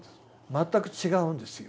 全く違うんですよ。